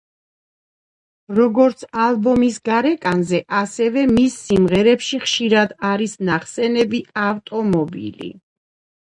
როგორც ალბომის გარეკანზე, ასევე მის სიმღერებში ხშირად არის ნახსენები ავტომობილი.